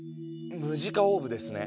「ムジカオーブ」ですね。